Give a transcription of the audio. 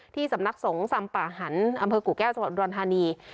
ที่สำนักศงศ์สำป่าหันอำเภอกูแก้วจบอุดวนธานี